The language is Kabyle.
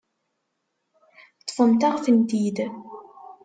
Ṭṭfent-aɣ-tent-id.